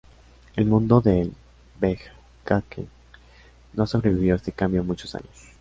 El mundo del "beefcake" no sobrevivió este cambio muchos años.